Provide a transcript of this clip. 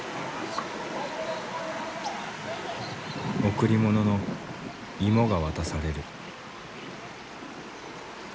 贈り物のイモが渡される。